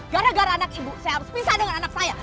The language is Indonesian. gara gara anak ibu saya harus pisah dengan anak saya